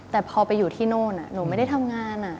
แต่พอไปอยู่ที่โน่นหนูไม่ได้ทำงาน